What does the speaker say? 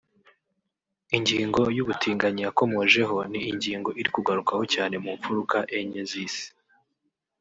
Ingingo y’ubutinganyi yakomojeho ni ingingo iri kugarukakwaho cyane mu mfuruka enye z’isi